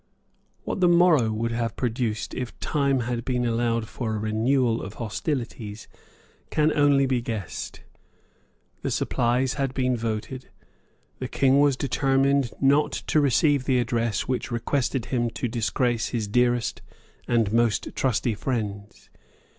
What the morrow would have produced if time had been allowed for a renewal of hostilities can only be guessed. The supplies had been voted. The King was determined not to receive the address which requested him to disgrace his dearest and most trusty friends.